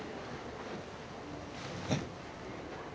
えっ？